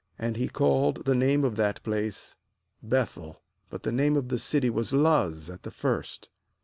19And he called the name of that place *Beth el, but the name of the city was Luz at the first.